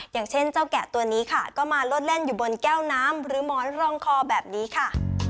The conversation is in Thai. อย่างเช่นเจ้าแกะตัวนี้ค่ะก็มาลดเล่นอยู่บนแก้วน้ำหรือหมอนรองคอแบบนี้ค่ะ